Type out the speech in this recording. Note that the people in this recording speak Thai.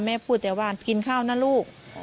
พูดแต่ว่ากินข้าวนะลูก